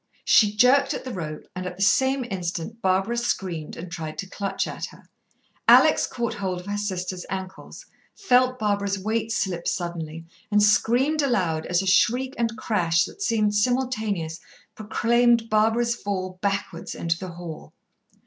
She jerked at the rope, and at the same instant Barbara screamed and tried to clutch at her. Alex caught hold of her sister's ankles, felt Barbara's weight slip suddenly, and screamed aloud as a shriek and crash that seemed simultaneous proclaimed Barbara's fall backwards into the hall.